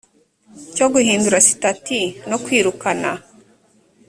cyo guhindura sitati no kwirukana